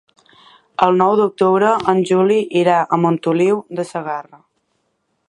El nou d'octubre en Juli irà a Montoliu de Segarra.